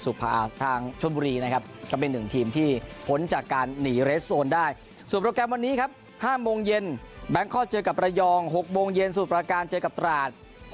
สำหรับสุพรทาง